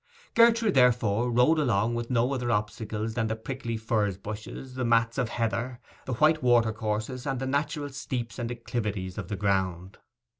Gertrude, therefore, rode along with no other obstacles than the prickly furze bushes, the mats of heather, the white water courses, and the natural steeps and declivities of the ground.